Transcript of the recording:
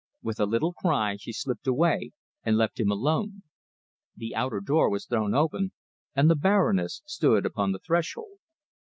With a little cry she slipped away and left him alone. The outer door was thrown open, and the Baroness stood upon the threshold.